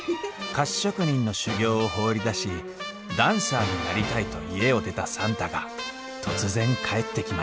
菓子職人の修業を放り出しダンサーになりたいと家を出た算太が突然帰ってきました